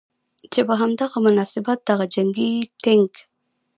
چې په هم دغه مناسبت دغه جنګي ټېنک